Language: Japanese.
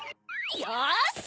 よし！